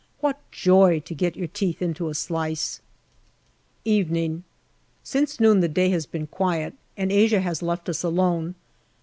What joy to get your teeth into a slice ! Evening. Since noon the day has been quiet, and Asia has left us alone.